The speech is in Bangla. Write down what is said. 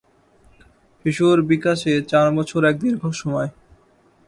শিশুর বিকাশে চার বছর এক দীর্ঘ সময়।